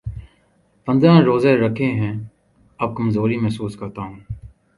پندرہ روزے رکھے ہیں‘ اب کمزوری محسوس کر تا ہوں۔